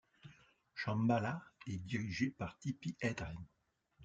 Shambala est dirigée par Tippi Hedren.